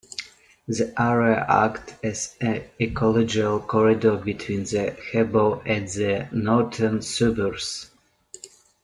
The area acts as an ecological corridor between the Harbour and the northern suburbs.